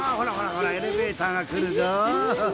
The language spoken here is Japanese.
ほらエレベーターがくるぞ。